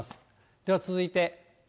では続いて。